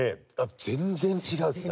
全然違うんですね！